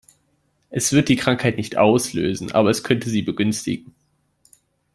Es wird die Krankheit nicht auslösen, aber es könnte sie begünstigen.